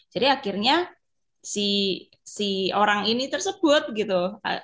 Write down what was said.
jadi akhirnya si orang ini tersebut gitu